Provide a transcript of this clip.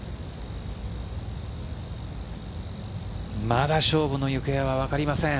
まだ勝負の行方は分かりません。